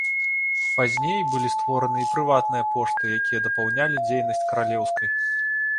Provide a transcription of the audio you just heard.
Пазней былі створаны і прыватныя пошты, якія дапаўнялі дзейнасць каралеўскай.